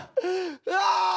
「うわ！」。